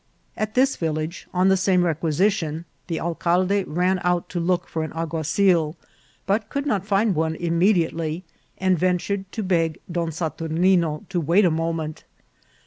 At this village, on the same requisition, the alcalde ran out to look for an al guazil, but could not find one immediately, and ven tured to beg Don Saturnino to wait a moment.